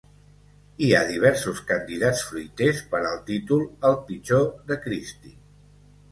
Hi ha diversos candidats fruiters per al títol 'el pitjor de Christie'.